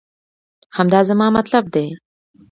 همدا زما مطلب دی